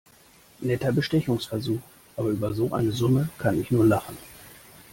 Netter Bestechungsversuch, aber über so eine Summe kann ich nur lachen.